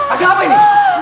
ada apa ini